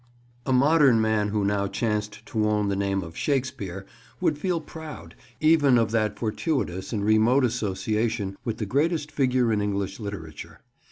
A MODERN man who now chanced to own the name of "Shakespeare" would feel proud, even of that fortuitous and remote association with the greatest figure in English literature.